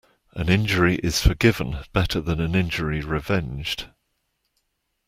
An injury is forgiven better than an injury revenged.